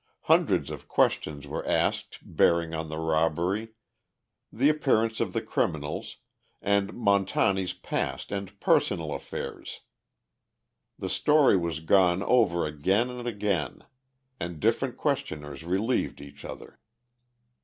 Hundreds of questions were asked bearing on the robbery, the appearance of the criminals, and Montani's past and personal affairs. The story was gone over again and again, and different questioners relieved each other.